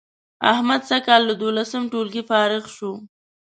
احمد سږ کال له دولسم ټولگي فارغ شو